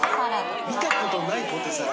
見たことないポテサラ。